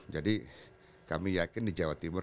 jadi kami yakin di jawa timur